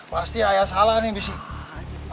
pasti ayah salah nih bisik